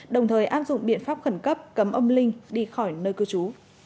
đồng thời áp dụng biện pháp khẩn cấp cấm ông linh đi khỏi nơi cư trú